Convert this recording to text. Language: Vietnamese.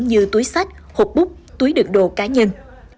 như túi sách hộp bút túi đựng đồ cá nhân